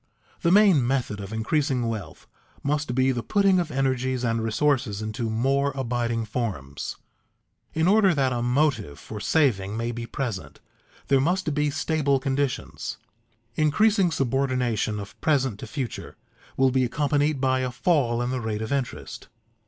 _ The main method of increasing wealth must be the putting of energies and resources into more abiding forms. In order that a motive for saving may be present, there must be stable conditions. Increasing subordination of present to future will be accompanied by a fall in the rate of interest.